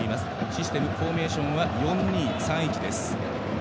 システム、フォーメーションは４−２−３−１です。